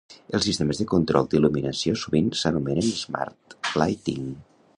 Els sistemes de control d'il·luminació sovint s'anomenen "Smart Lighting".